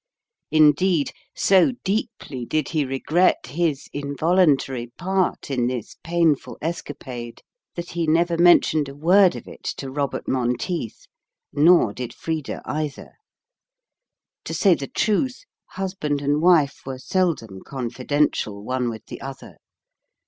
Indeed, so deeply did he regret his involuntary part in this painful escapade that he never mentioned a word of it to Robert Monteith; nor did Frida either. To say the truth, husband and wife were seldom confidential one with the other.